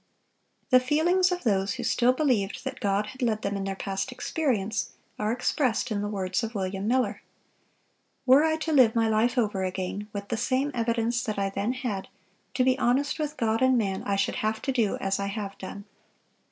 (663) The feelings of those who still believed that God had led them in their past experience, are expressed in the words of William Miller: "Were I to live my life over again, with the same evidence that I then had, to be honest with God and man I should have to do as I have done."